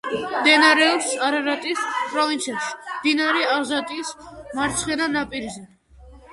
მდებარეობს არარატის პროვინციაში, მდინარე აზატის მარცხენა ნაპირზე.